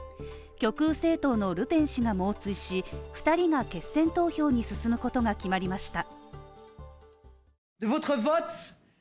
極右政党のルペン氏が猛追し２人が決選投票に進むことが決まりました。